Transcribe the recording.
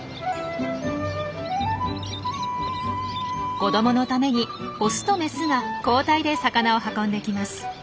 子どものためにオスとメスが交代で魚を運んできます。